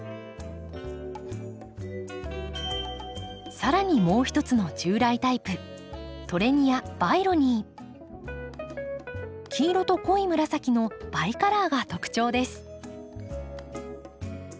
更にもう一つの従来タイプ黄色と濃い紫のバイカラーが特徴です。